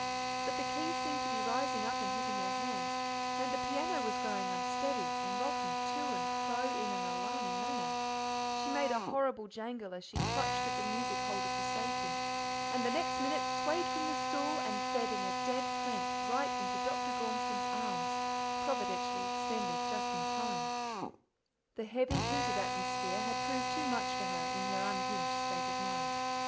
But the keys seemed to be rising up and hitting her hands, and the piano was growing unsteady, and rocking to and fro in an alarming manner; she made a horrible jangle as she clutched at the music holder for safety, and the next minute swayed from the stool and fell in a dead, faint right into Dr. Gormeston's arms, providentially extended just in time. The heavy, heated atmosphere had proved too much for her, in her unhinged state of mind.